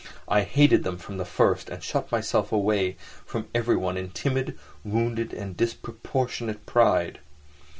I hated them from the first, and shut myself away from everyone in timid, wounded and disproportionate pride.